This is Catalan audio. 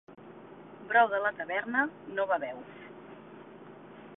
Brou de la taverna no beveu.